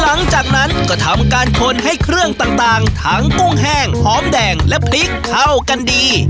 หลังจากนั้นก็ทำการคนให้เครื่องต่างทั้งกุ้งแห้งหอมแดงและพริกเข้ากันดี